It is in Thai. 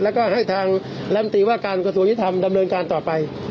แล้วก็ให้ทางลำตีว่าการกระทรวงยุทธรรมดำเนินการต่อไป